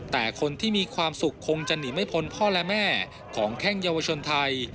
แต่คนที่มีความสุขคงจะหนีไม่พ้นพ่อและแม่ของแข้งเยาวชนไทย